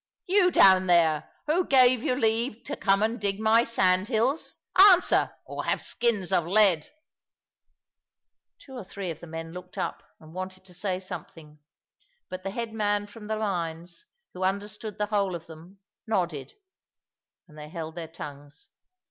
"You down there, who gave you leave to come and dig my sandhills? Answer, or have skins of lead." Two or three of the men looked up, and wanted to say something. But the head man from the mines, who understood the whole of them, nodded, and they held their tongues.